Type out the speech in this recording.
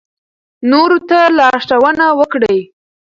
نورو ته لارښوونه وکړئ.